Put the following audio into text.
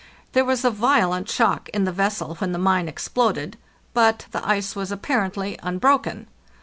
There was a violent shock in the vessel when the mine exploded, but the ice was apparently unbroken.